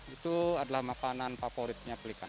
itu adalah makanan favoritnya pelikan